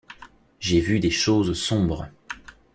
J’ai vu des choses sombres.